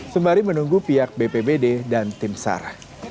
sembari menunggu pihak bpbd dan timsar